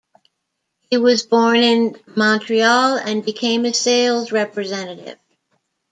He was born in Montreal and became a sales representative.